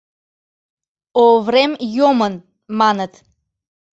Оврем йомын, маныт.